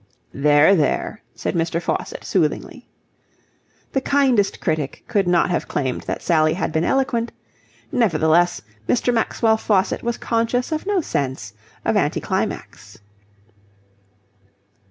"There, there," said Mr. Faucitt, soothingly. The kindest critic could not have claimed that Sally had been eloquent: nevertheless Mr. Maxwell Faucitt was conscious of no sense of anti climax.